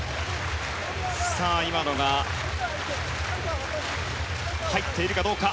今のが入っているかどうか。